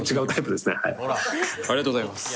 ありがとうございます。